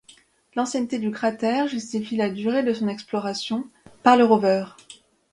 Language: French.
L'ancienneté du cratère justifie la durée de son exploration par le rover.